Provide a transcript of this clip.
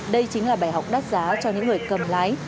đây chính là bài học đắt giá cho những người cầm lái